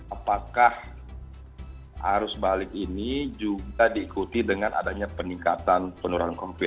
apakah arus balik ini juga diikuti dengan adanya peningkatan penularan covid sembilan belas